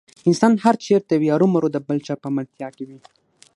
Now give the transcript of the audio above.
انسان هر چېرته وي ارومرو د بل چا په ملتیا کې وي.